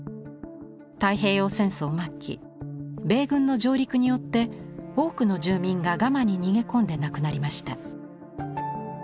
太平洋戦争末期米軍の上陸によって多くの住民がガマに逃げ込んで亡くなりました。